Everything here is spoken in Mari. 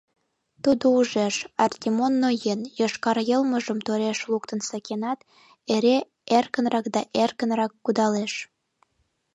Тудо ужеш: Артемон ноен, йошкар йылмыжым тореш луктын сакенат, эре эркынрак да эркынрак кудалеш.